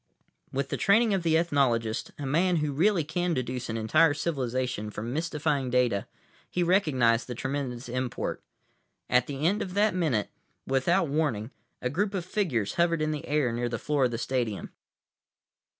With the training of the ethnologist, a man who really can deduce an entire civilization from mystifying data, he recognized the tremendous import. At the end of that minute, without warning, a group of figures hovered in the air near the floor of the stadium.